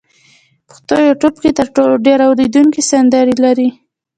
پښتو یوټیوب کې تر ټولو ډېر اورېدونکي سندرې لري.